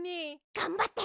がんばって！